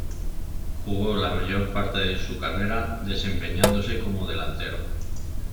Jugó la mayor parte de su carrera desempeñándose como delantero.